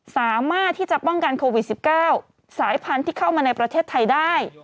สามารถที่จะป้องกันโควิด๑๙สายพันธุ์ที่เข้ามาในประเทศไทยได้